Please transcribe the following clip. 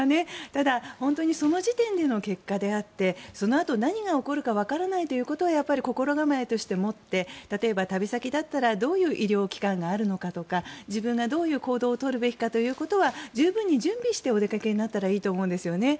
ただ、本当にその時点での結果であってそのあと何が起こるかわからないということはやっぱり心構えとして持って例えば旅先だったらどういう医療機関があるのかとか自分がどういう行動を取るべきかということは十分に準備してお出かけになったらいいと思うんですよね。